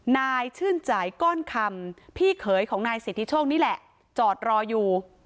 นายชื่นจ่ายก้อนคำพี่เขยของนายสิทธิโชคนี่แหละจอดรออยู่